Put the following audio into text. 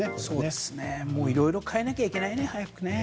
早くいろいろ変えなきゃいけないね。